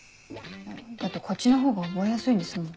だってこっちのほうが覚えやすいんですもん。